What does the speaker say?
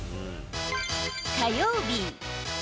火曜日。